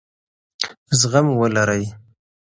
زغم ولرئ.